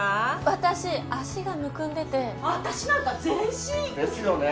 私足がむくんでて私なんか全身ですよね